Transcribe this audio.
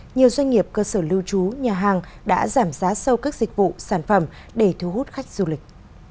nhiều doanh nghiệp cơ sở lưu trú nhà hàng đã giảm giá sâu các dịch vụ sản phẩm để thu hút khách du lịch